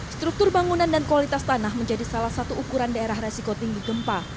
struktur bangunan dan kualitas tanah menjadi salah satu ukuran daerah resiko tinggi gempa